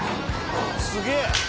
すげえ！